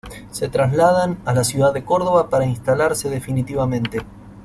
Se trasladan a la ciudad de Córdoba para instalarse definitivamente.